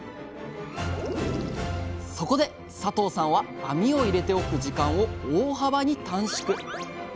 そこで佐藤さんは網を入れておく時間を大幅に短縮。